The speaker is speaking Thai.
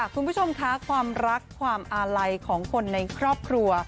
คุณผู้ชมคะความรักความอาลัยของคนในครอบครัว